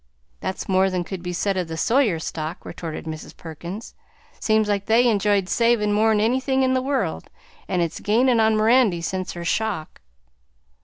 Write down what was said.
"That's more than could be said of the Sawyer stock," retorted Mrs. Perkins; "seems like they enjoyed savin' more'n anything in the world, and it's gainin' on Mirandy sence her shock."